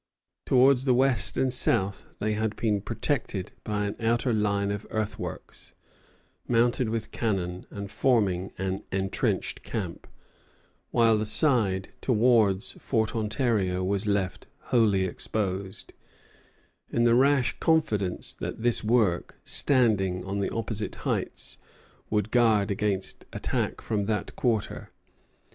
Towards the west and south they had been protected by an outer line of earthworks, mounted with cannon, and forming an entrenched camp; while the side towards Fort Ontario was left wholly exposed, in the rash confidence that this work, standing on the opposite heights, would guard against attack from that quarter.